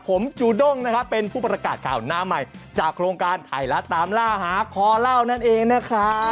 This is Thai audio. ผมจุด้งเป็นผู้ประกาศข่าน้ำใหม่จากโครงการไทรัศน์ตามลาหาครเล่านั่นเองนะครับ